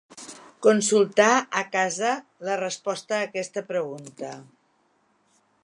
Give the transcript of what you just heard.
Consultar a casa la resposta a aquesta pregunta.